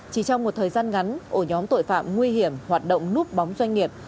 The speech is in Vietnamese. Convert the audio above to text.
chỉ trong một thời gian ngắn ổ nhóm tội phạm nguy hiểm hoạt động núp bóng doanh nghiệp